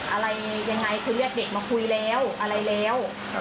อะไรยังไงคือเรียกเด็กมาคุยแล้วอะไรแล้ว